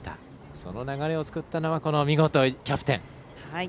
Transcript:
その流れを作ったのがキャプテン。